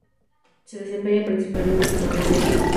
Se desempeña principalmente como relevista.